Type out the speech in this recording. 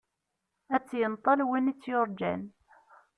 Ad tt-yenṭel win i tt-yurğan.